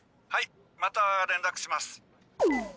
はいまた連絡します。